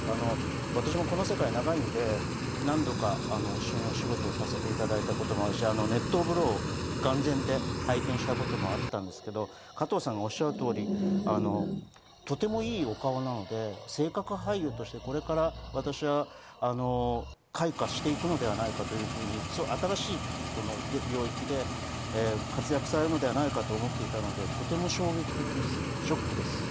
私もこの世界は長いので、何度か一緒にお仕事をさせていただいたこともあるし、熱湯風呂を眼前で拝見したこともあったんですけど、加藤さんがおっしゃるように、とてもいいお顔なので、俳優として私はこれから開花していくのではないかと、新しい領域で活躍されるのではないかと思っていたので、とても衝撃的です。